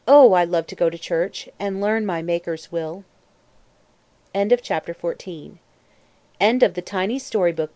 I love to go to church, And learn my Maker's will. End of the Project Gutenberg EBook of The Tiny Story Book.